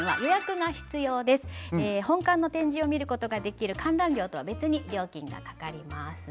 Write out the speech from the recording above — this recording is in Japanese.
本館の展示を見ることができる観覧料とは別に料金がかかります。